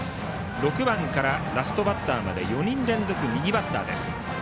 ６番からラストバッターまで４人連続で右バッターです。